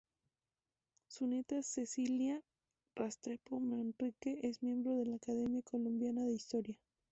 Su nieta Cecilia Restrepo Manrique es miembro de la Academia Colombiana de Historia.